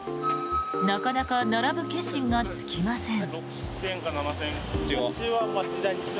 なかなか並ぶ決心がつきません。